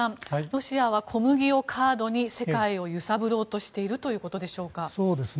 ロシアは小麦をカードに世界を揺さぶろうとしているということでしょうか？